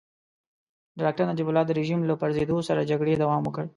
د ډاکټر نجیب الله د رژيم له پرزېدو سره جګړې دوام وکړ.